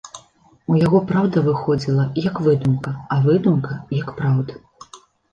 У яго праўда выходзіла, як выдумка, а выдумка, як праўда.